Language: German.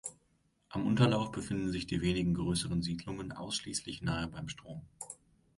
Am Unterlauf befinden sich die wenigen größeren Siedlungen ausschließlich nahe beim Strom.